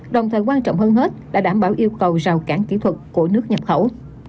đồng thời quan trọng hơn hết là đảm bảo yêu cầu rào cản kỹ thuật của nước nhập khẩu